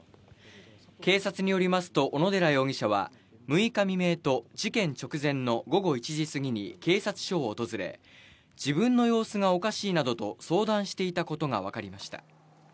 警察によりますと、小野寺容疑者は、６日未明と事件直前の午後１時過ぎに警察署を訪れ、自分の様子がおかしいなどと相談していたことが分かりました。